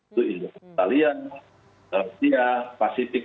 itu indonesia italia asia pasifik